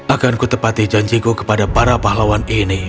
akan kutepati janjiku kepada para pahlawan ini